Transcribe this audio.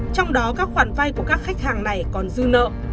trong đó các khoản vay của các khách hàng này còn dư nợ